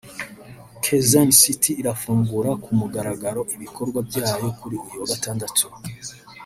Kaizen city irafungura ku mugaragaro ibikorwa byayo kuri uyu wa Gatatu